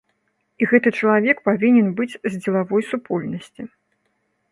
І гэты чалавек павінен быць з дзелавой супольнасці.